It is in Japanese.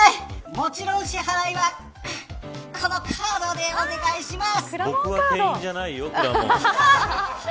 もちろん、支払いはこのカードでお願いします。